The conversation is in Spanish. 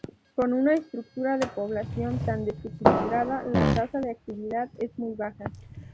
Con una estructura de población tan desequilibrada, la tasa de actividad es muy baja.